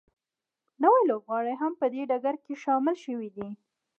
نوي لوبغاړي هم په دې ډګر کې شامل شوي دي